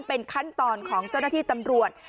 เป็นขั้นตอนของเจ้าหน้าที่ตำรวจ